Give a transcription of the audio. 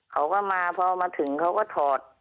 เขาก็มาพอมาถึงเขาก็ถอด